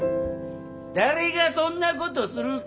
誰がそんなことするか。